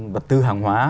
vật tư hàng hóa